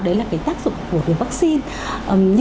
đấy là cái tác dụng của cái vaccine